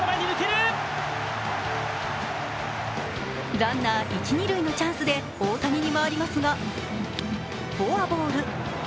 ランナー、一・二塁のチャンスで大谷に回りますがフォアボール。